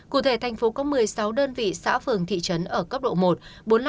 cụ thể thành phố có một mươi sáu đơn vị xã phường thị trấn ở cấp độ một